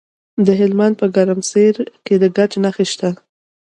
د هلمند په ګرمسیر کې د ګچ نښې شته.